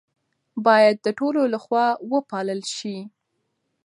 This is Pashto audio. باید د ټولو لخوا وپالل شي.